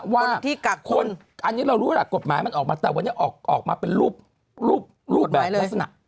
วันที่กักคนอันนี้เรารู้ล่ะกฎหมายมันออกมาแต่วันนี้ออกมาเป็นรูปแบบลักษณะ